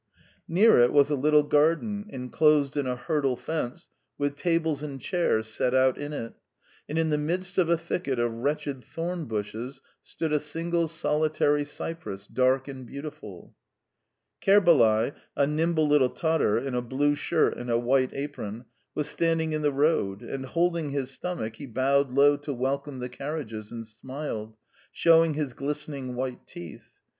Near it was a little garden, enclosed in a hurdle fence, with tables and chairs set out in it, and in the midst of a thicket of wretched thornbushes stood a single solitary cypress, dark and beautiful. Kerbalay, a nimble little Tatar in a blue shirt and a white apron, was standing in the road, and, holding his stomach, he bowed low to welcome the carriages, and smiled, showing his glistening white teeth.